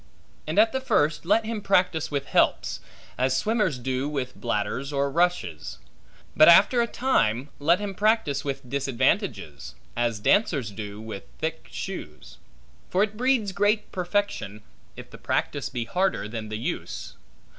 And at the first let him practise with helps, as swimmers do with bladders or rushes; but after a time let him practise with disadvantages, as dancers do with thick shoes. For it breeds great perfection, if the practice be harder than the use.